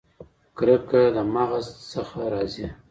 کرکه له مغز نه راځي.